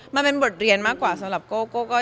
มันเป็นบทเรียนมากกว่าสำหรับโก้โก้